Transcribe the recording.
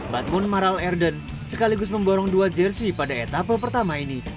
batmuk marel erden sekaligus memborong dua jersey pada etapa pertama ini